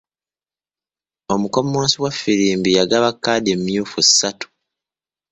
Omukommonsi was ffirimbi yagaba kkaadi emyufu ssatu.